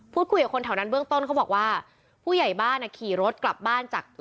พูดคุยกับคนแถวนั้นเบื้องต้นเขาบอกว่าผู้ใหญ่บ้านอ่ะขี่รถกลับบ้านจาก